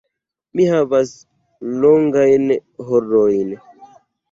Mi havas longajn harojn.